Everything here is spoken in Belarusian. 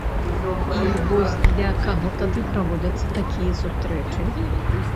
І вось для каго тады праводзяцца такія сустрэчы?